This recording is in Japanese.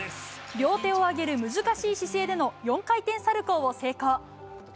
両手を上げる難しい姿勢での４回転サルコーを成功。